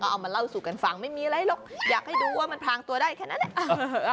เอามาเล่าสู่กันฟังไม่มีอะไรหรอกอยากให้ดูว่ามันพลางตัวได้แค่นั้นแหละ